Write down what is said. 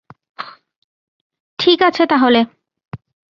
ঠিক আছে তাহলে।